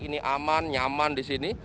ini aman nyaman di sini